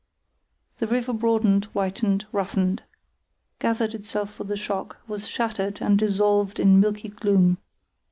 The river broadened, whitened, roughened, gathered itself for the shock, was shattered, and dissolved in milky gloom.